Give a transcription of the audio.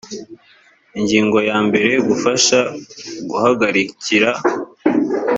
ingingo ya mbere gufasha guhagarikira